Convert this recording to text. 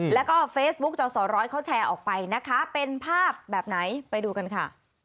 แล้วก็เฟซบุ๊กจอสอร้อยเขาแชร์ออกไปนะคะเป็นภาพแบบไหนไปดูกันค่ะ